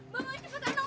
bang mau cepetan dong bang